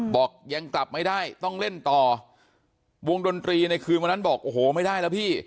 บอกยังกลับไม่ได้ต้องเล่นต่อวงดนตรีในคืนวันนั้นบอกโอ้โหไม่ได้แล้วพี่